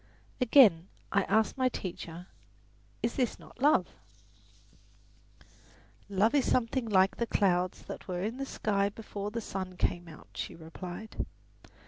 Again I asked my teacher, "Is this not love?" "Love is something like the clouds that were in the sky before the sun came out," she replied.